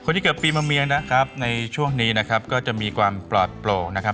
ที่เกิดปีมะเมียนะครับในช่วงนี้นะครับก็จะมีความปลอดโปร่งนะครับ